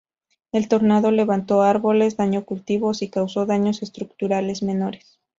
El tornado levantó árboles, dañó cultivos y causó daños estructurales menores.